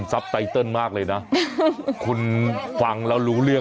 ช่วยเจียมช่วยเจียมช่วยเจียม